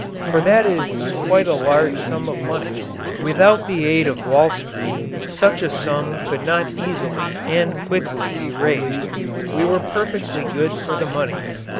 For that is quite a large sum of money. Without the aid of Wall Street such a sum could not easily and quickly be raised. We were perfectly good for the money.